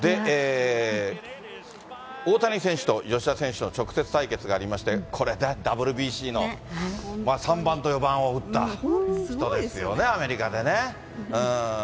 大谷選手と吉田選手の直接対決がありまして、これ、ＷＢＣの３番と４番を打った人ですよね、アメリカでね。